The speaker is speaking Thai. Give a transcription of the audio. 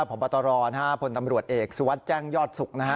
ผอบตรผลตำรวจเอกสวัสดิ์แจ้งยอดสุข